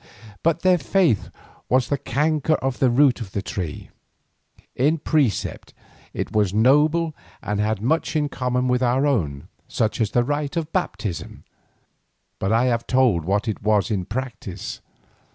But their faith was the canker at the root of the tree. In precept it was noble and had much in common with our own, such as the rite of baptism, but I have told what it was in practice.